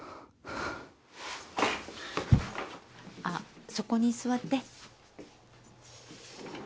あっそこに座って。